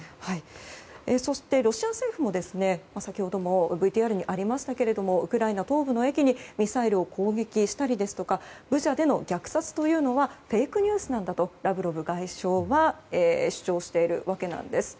そして、ロシア政府も先ほどもＶＴＲにありましたがウクライナ東部の駅をミサイルで攻撃したりブチャでの虐殺はフェイクニュースなんだとラブロフ外相は主張しているわけなんです。